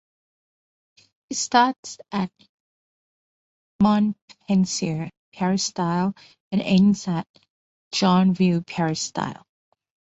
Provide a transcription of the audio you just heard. It starts at Montpensier Peristyle and ends at Joinville Peristyle.